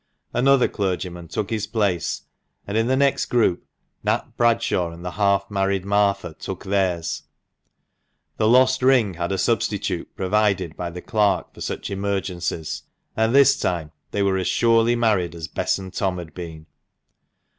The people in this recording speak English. Another clergyman took his place, and in the next group Nat Bradshaw and the half married Martha took theirs. The lost ring had a substitute provided by the clerk for such emergencies ; and this time they were as surely married as Bess and Tom had been.